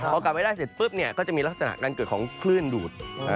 พอกลับไม่ได้เสร็จปุ๊บเนี่ยก็จะมีลักษณะการเกิดของคลื่นดูด